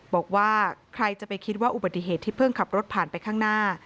บอกว่าใครจะไปคิดว่าอุบัติเหตุที่เพิ่งขับรถผ่านไปข้างหน้า